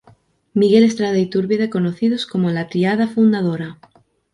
Miguel Estrada Iturbide, conocidos como "La Triada Fundadora".